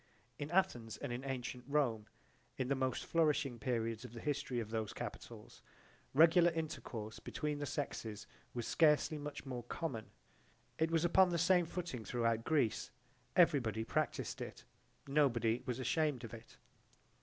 In Athens and in antient Rome in the most flourishing periods of the history of those capitals, regular intercourse between the sexes was scarcely much more common. It was upon the same footing throughout Greece: everybody practised it; nobody was ashamed of it.